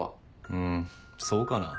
うんそうかな。